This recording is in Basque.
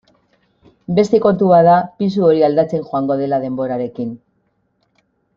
Beste kontu bat da pisu hori aldatzen joango dela denborarekin.